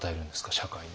社会に。